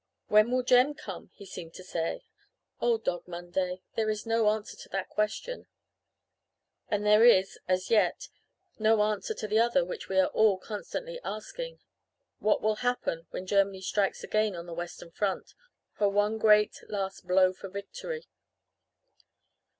'When will Jem come?' he seemed to say. Oh, Dog Monday, there is no answer to that question; and there is, as yet, no answer to the other which we are all constantly asking 'What will happen when Germany strikes again on the western front her one great, last blow for victory!"